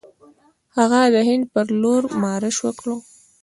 هغه د هند پر لور مارش وکړ.